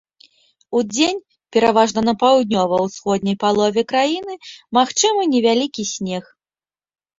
Удзень пераважна на паўднёва-ўсходняй палове краіны магчымы невялікі снег.